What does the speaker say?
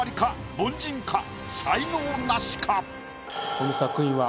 この作品は。